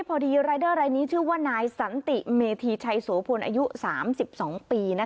พอดีรายเดอร์รายนี้ชื่อว่านายสันติเมธีใช่โสพลอายุสามสิบสองปีนะคะ